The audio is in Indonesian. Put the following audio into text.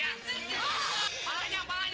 anggur gini buah